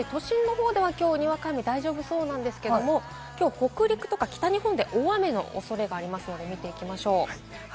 都心のほうでは、きょう、にわか雨、大丈夫そうなんですけれども、きょう北陸とか北日本で大雨のおそれがありますので見ていきましょう。